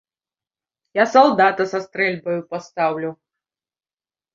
Я салдата са стрэльбаю пастаўлю!